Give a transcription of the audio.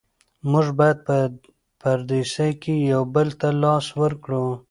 موږ باید په پردیسۍ کې یو بل ته لاس ورکړو.